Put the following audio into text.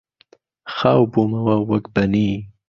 خاو بوومەوە وەک بەنی